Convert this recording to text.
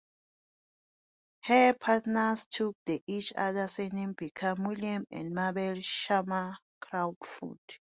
Her parents took the each others surnames becoming William and Mabel Sharman Crawford.